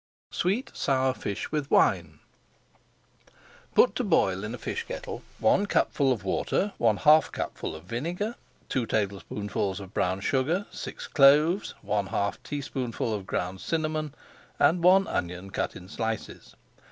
SWEET SOUR FISH WITH WINE Put to boil in a fish kettle one cupful of water, one half cupful of vinegar, two tablespoonfuls of brown sugar, six cloves, one half teaspoonful of ground cinnamon, and one onion cut in slices.